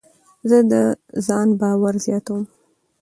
زه د ځان باور زیاتوم.